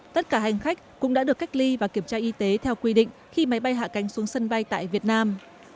tất cả hành khách cũng đã được cách ly và kiểm tra y tế theo quy định khi máy bay hạ cánh xuống sân bay tại việt nam